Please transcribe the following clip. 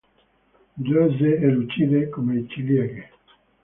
Rosse e lucide come ciliege.